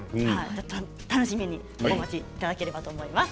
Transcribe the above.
楽しみにお待ちいただければと思います。